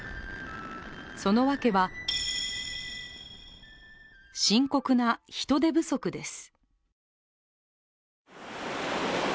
その訳は、深刻な人手不足です。